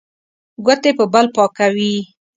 ګوتې په بل پاکوي.